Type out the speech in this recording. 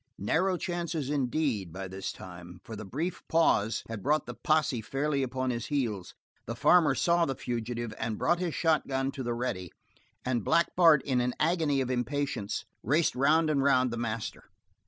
Narrow chances indeed, by this time, for the brief pause had brought the posse fairly upon his heels; the farmer saw the fugitive and brought his shotgun to the ready; and Black Bart in an agony of impatience raced round and round the master.